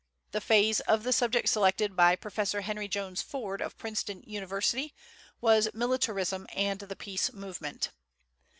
The phase of the subject selected by Professor Henry Jones Ford, of Princeton University, was "Militarism and the Peace Movement."